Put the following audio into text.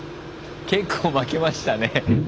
結構負けましたね。